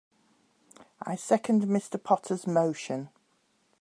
I second Mr. Potter's motion.